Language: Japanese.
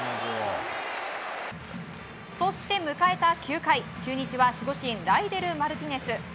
そして迎えた９回、中日は守護神ライデル・マルティネス。